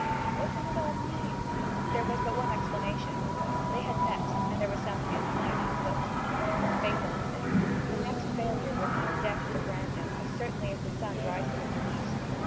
What did it all mean? There was but one explanation; they had met, and there was some new plan on foot with a fatal ending. The next failure would mean death to Brandon, as certainly as the sun rises in the east.